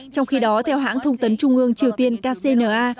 trong khi đó theo hãng thông tấn trung ương triều tiên kcna